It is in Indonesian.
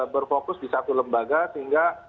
berfokus di satu lembaga sehingga